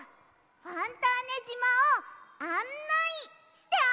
ファンターネじまを「あんない」してあげるの！